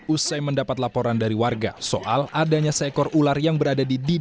usai mendapat laporan dari warga soal adanya seekor ular yang berada di dinding